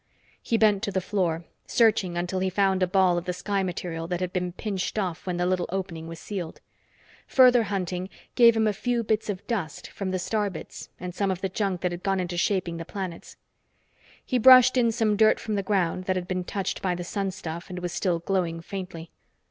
He bent to the floor, searching until he found a ball of the sky material that had been pinched off when the little opening was sealed. Further hunting gave him a few bits of dust from the star bits and some of the junk that had gone into shaping the planets. He brushed in some dirt from the ground that had been touched by the sun stuff and was still glowing faintly.